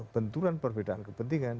benturan perbedaan kepentingan